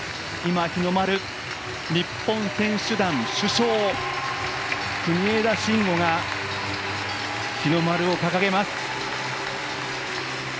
日の丸、日本選手団主将国枝慎吾が日の丸を掲げます！